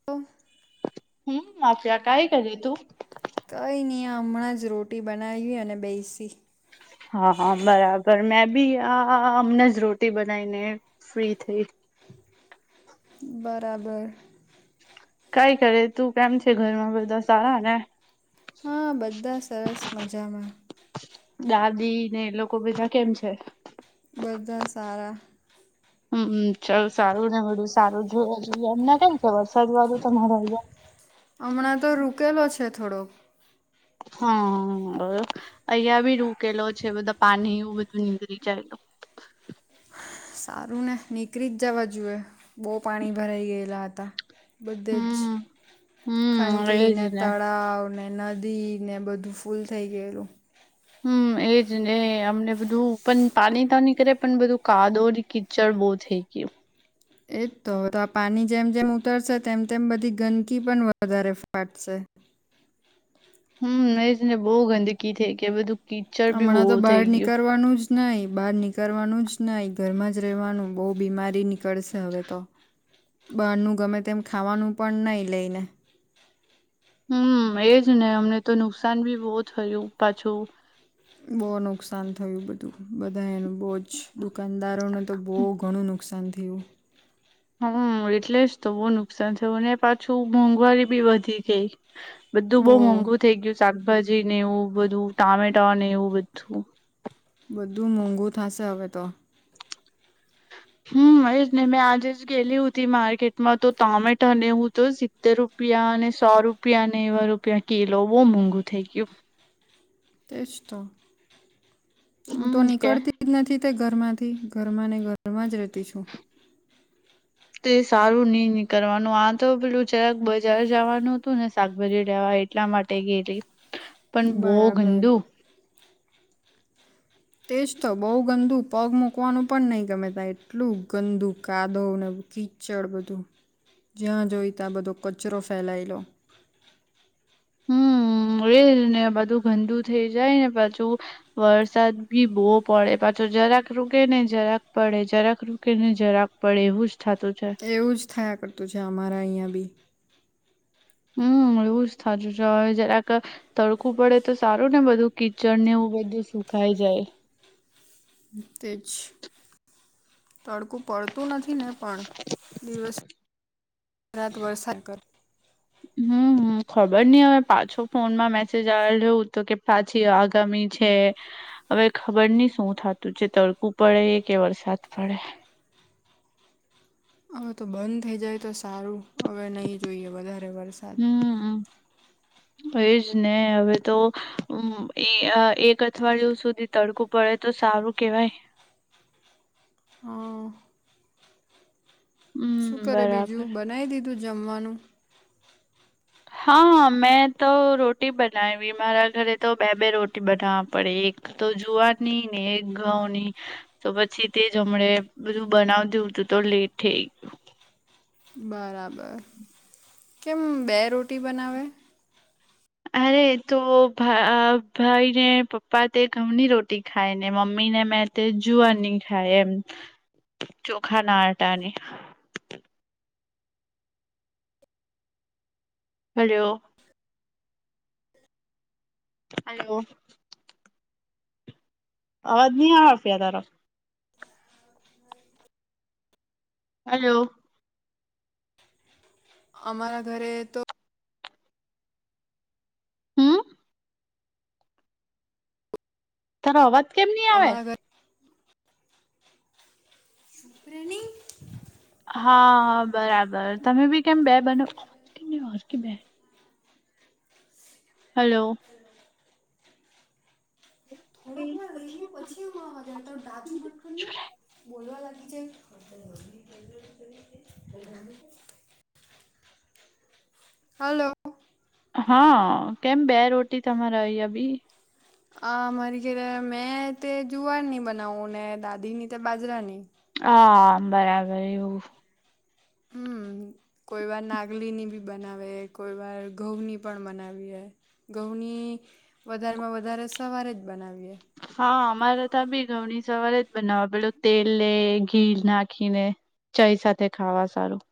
[unintelligible] હમ્મ mafia કાંઈ કરી તું? કંઈ ની હમણાં જ રોટી બનાવી અને બેયસી હા હાં બરાબર મેં બી આ હમણાં જ રોટી બનાઈને ફ્રી થઈ બરાબર કાઈ કરે તું કેમ છે? ઘરમાં બધા સારા ને? હા બધા સરસ મજામાં દાદીને એ લોકો બધા કેમ છે? બધાં સારા હમ્મ ચાલ સારું ને બડું સારું [unintelligible] એમને કેમ છે [unintelligible] [inaudible] હમણાં તો રૂકેલો છે થોડો [inaudible] હા અયા બી રૂકેલો છે બધા પાણી એવું બધું નીકળી જાય તો સારું ને નીકળી જ જવા જોવે બહુ પાણી ભરાઈ ગયેલા હતા બધે જ હમ હમ એજ ખાનગીને ને તળાવ ને નદીને બધું ફૂલ થઈ ગયેલું. હમ એ જ ને અમને બધું પણ પાણી તો નીકળે પણ બધું કાદવ ને કીચડ બહુ થઈ ગયું. એજ તો તો આ પાણી જેમ જેમ ઉતરશે તેમ તેમ બધી ગંદકી પણ વધારે ફાટશે. હમ એજેને બહુ ગંદકી થઈ કે બધું કીચડ બી બહુ હમણાં તો બાર થઈ ગયું નીકળવાનું જ નહી બાર નીકળવાનું જ નઇ ઘર માં જ રહેવાનું બહુ બીમારી ની નીકળશે હવે તો, બહારનું ગમે તેમ ખાવાનું પણ નહી લઈને. હમ એજ ને અમને તો નુકસાન બી બહુ થયું પાછું. બહુ નુકસાન થયું બધું બધા એનું બો જ દુકાનદારોને તો બો ઘણું નુકસાન થયું. હમ એટલે જ તો બહુ નુકસાન થયું અને પાછું મોંઘવારી બી વધી ગઈ. બધું બહુ બઉ મોંઘું થઇ ગયું શાકભાજી ને એવું બધું ટામેટા ને એવું બધું બધું મોંઘુ થશે હવે તો હમ એ જ ને મેં આજે જ ગેલી હો હતી માર્કેટમાં તો ટમેટો ને એવું તો જ તેર રૂપિયા અને સો રૂપિયા ને એવા રૂપિયા કિલો બહુ મોંઘું થઈ ગયું. તેજ તો હું તો હમ કે નીકળતી. [unintelligible] નથી તે ઘરમાંથી ઘરમાં ને ઘરમાં જ રહેતી છું [inaudible] તે સારું ની નીકળવાનું આ તો પેલું જરાક બજાર જવાનું હતું ને શાકભાજી લેવા એ ટલા માટે ગયેલી પણ બો બરાબર ગંદુ તે જ તો બૌ ગંદુ પગ મૂકવાનું પણ નઈ ગમે ત્યાં એટલું ગંદુ કાદવ ને કી ચડ બધું જ્યાં જોઈતા બધો કચરો ફેલાયલો હમ એ જ ને બધું ગંદુ થઇ જાય ને પાછું વરસાદ બી બહુ પડે પાછો જરાક રૂકે ને જરાક પડે જરાક રૂ કે ને જરાક પડે એવું જ થતું છે. એવું જ થાયા કરતું છે અમારા અહીંયા બી. હમ એવું જ થાતું સે અવે જરાક તડકું પડે તો સારું ને બધું કિચડ ને એવું બધું સુખાય જાય. તે જ તડકો પડતું નથી ને પણ દિવસ રાત વરસાદ કર હમ ખબર ની હવે પાછો ફોનમાં મેસેજ આવેલો તો કે પા આગામી છે. હવે ખબર ની શું થતું છે તડકું પડે કે વરસાદ પડે. હવે તો બંધ થઈ જાય તો સારું હવે નહી જોઈએ વધારે વરસ હમ એજ ને હવે તો એક અઠવાડિયું સુધી તડકો પડે તો સારું કેવાય. હા શું હમ કરે બીજું બરાબર બનાવી દીધું જમવાનું? હા મેં તો રોટી બનાયવી મારા ઘરે તો બે બે રોટી બનાવવા પડે એક તો જુવારની ને એક ઘઉંની તો પછી તે જ હમણા બધું બનાવતી હતું તો લેટ થઈ ગયું. બરાબર. કેમ બે રોટી બનાવે? અરે તો અ ભા ભાઈને પપ્પા તે ઘઉંની રોટી ખાય ને મમ્મી ને મેં તે જુવારની ખાય એમ, ચોખા ના આટાની ખા હલો. હલો, અવાજ નહી આવે ફિયા તારો. હલો, અમારા ઘરે તો, હમ, તારો અવાજ કેમ ની આવે? અમારા ઘરે ચુપ રે ની, હા હા બરાબર તમે બી કેમ બે [unintelligible] હલો, હલો, હમ, એનું પછી અવાજ આવે તારું ડાચું બંધ કર ને, બોલવા લાગી છે. હલો, હા કેમ બે રોટી તમારે આઇ આબી? આ મારી કે મેં તે જુવાર ની બનાવું ને દાદીની ત બાજરા ની. હા બરાબર એવું. હમ, કોઈ વાર નાગલીની બી બનાવે, કોઈ વાર ઘઉંની પણ બનાવીએ. ઘઉંની વધારેમાં વધારે સવારે જ બનાવીએ. હા અમારે તા બી ઘઉંની સવારે જ બનાવે. પેલું તેલ લે ઘી નાખીને. ચાઈ સાથે ખાવા સારું.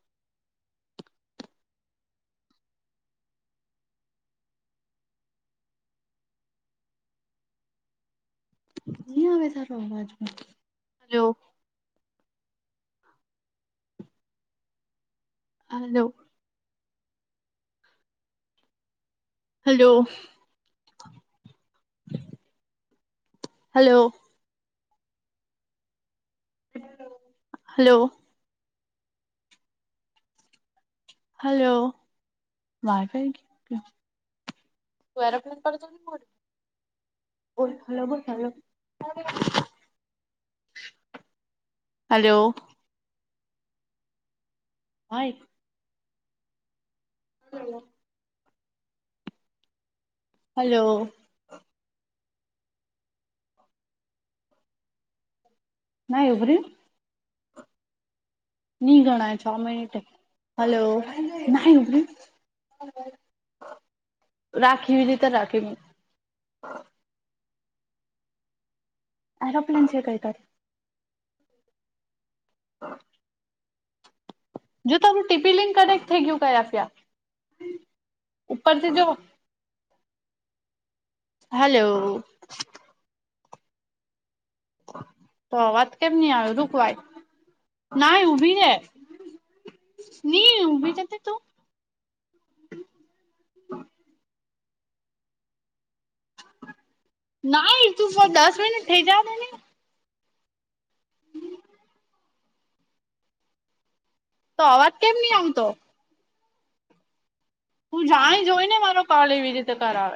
ની આવે સારો અવાજ પણ, hello. Hello. Hello. Hello. Hello. Hello [unintelligible] [unintelligible] બોલ હલો બોલ હલો. હલો. Hi [unintelligible] hello. ના ઉભી રેને. ની ગણાય છ મિનિટે. હાલો [unintelligible] રાખીવી એવી રીતો રાખી મુક. એરોપ્લેન છે, [unintelligible] [unintelligible] જો તારું ટીપી લિંક કનેક્ટ થઈ ગયું ગયા ફ્યા, ઉપરથી જો. હાલો તો અવાજ કેમ ની આવે રુક વાય ના ઊભી રે ની ઊભી રે તું નાઈ તું દસ મિનટ થઈ જવા દેને તો અવાજ કેમ ની આવતો તું જાણી જોઈને મારો કોલ એવી રીતે કરાવે